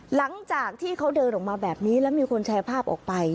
หลังจากที่เขาเดินออกมาแบบนี้แล้วมีคนแชร์ภาพออกไป